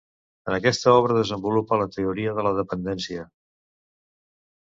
En aquesta obra desenvolupa la teoria de la dependència.